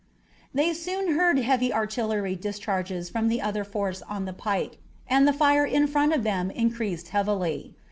They soon heard heavy artillery discharges from the other force on the pike, and the fire in front of them increased heavily.